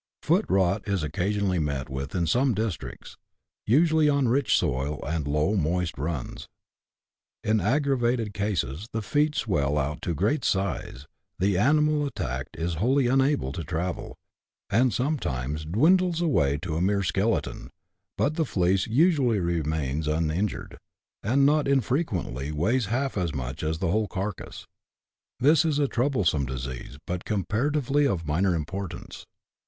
Foot rot is occasionally met with in some districts, usually on rich soil and low, moist runs. In aggravated cases the feet swell out to a great size, the animal attacked is wholly unable to travel, and sometimes dwindles away to a mere skeleton, but the fleece 54 BUSH LIFE IN AUSTRALIA. [chap. v. usually remains uninjured, and not unfrequently weighs half as much as the whole carcase. This is a troublesome disease, but Comparatively of minor importance.